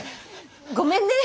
ごめんね！